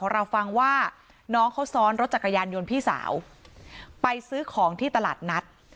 เราฟังว่าน้องเขาซ้อนรถจักรยานยนต์พี่สาวไปซื้อของที่ตลาดนัด